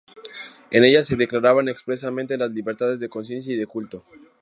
En ella se declaraban expresamente las libertades de conciencia y de culto.